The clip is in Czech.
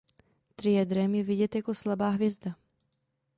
Triedrem je vidět jako slabá hvězda.